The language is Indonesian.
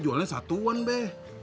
jualnya satu won be